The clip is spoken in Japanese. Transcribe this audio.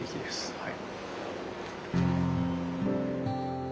はい。